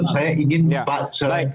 saya ingin pak seram